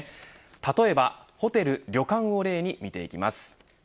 例えばホテル・旅館を例に見ていきます。